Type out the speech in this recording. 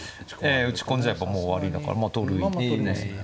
ええ打ち込んじゃえばもう終わりだから取る一手ですよね。